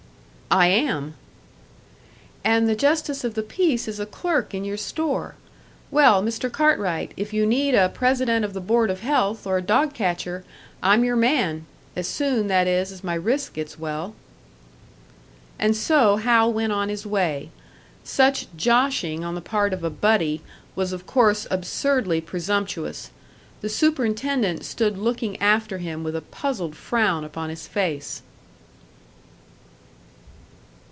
"I am." "And the justice of the peace is a clerk in your store. Well, Mr. Cartwright, if you need a president of the board of health or a dog catcher, I'm your man as soon, that is, as my wrist gets well." And so Hal went on his way. Such "joshing" on the part of a "buddy" was of course absurdly presumptuous; the superintendent stood looking after him with a puzzled frown upon his face.